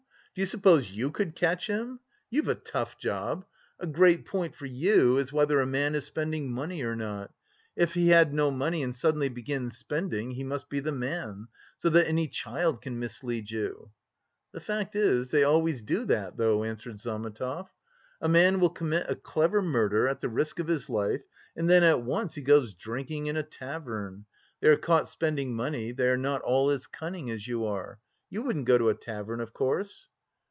Do you suppose you could catch him? You've a tough job! A great point for you is whether a man is spending money or not. If he had no money and suddenly begins spending, he must be the man. So that any child can mislead you." "The fact is they always do that, though," answered Zametov. "A man will commit a clever murder at the risk of his life and then at once he goes drinking in a tavern. They are caught spending money, they are not all as cunning as you are. You wouldn't go to a tavern, of course?"